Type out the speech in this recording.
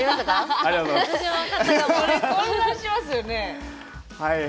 混乱しますよね。